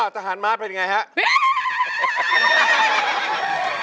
ทหารม้าเป็นยังไงครับ